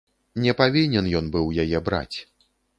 Не павінен ён быў яе браць.